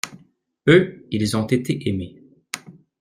Eux, ils ont été aimé.